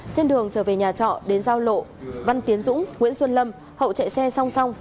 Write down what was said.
trên đường trở về nhà trọ đến giao lộ văn tiến dũng nguyễn xuân lâm hậu chạy xe song song